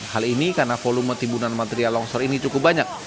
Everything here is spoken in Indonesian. hal ini karena volume timbunan material longsor ini cukup banyak